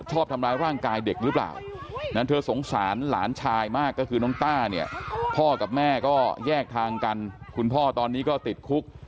ชอบทำร้ายร่างกายเด็กหรือเปล่านั้นเธอสงสารหลานชายมากก็คือน้องต้าเนี่ยพ่อกับแม่ก็แยกทางกันคุณพ่อตอนนี้ก็ติดคุก